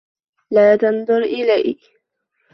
لا تنظر إلي!